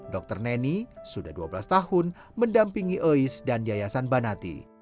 dokter neni sudah dua belas tahun mendampingi ois dan yayasan banati